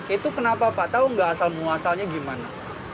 itu kenapa pak tau nggak asal muasalnya gimana